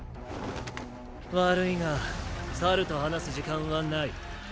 悪いが猿と話す時間はない。